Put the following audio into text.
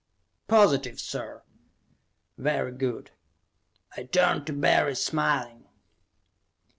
"Positive, sir." "Very good." I turned to Barry, smiling.